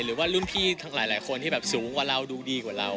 หรือว่ารุ่นพี่ทั้งหลายคนที่แบบสูงกว่าเราดูดีกว่าเรา